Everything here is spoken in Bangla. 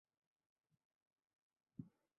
একাই মক্কাপানে উট হাঁকিয়ে দেয়।